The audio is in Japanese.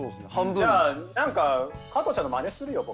じゃあ何か加藤ちゃんのまねするよ僕。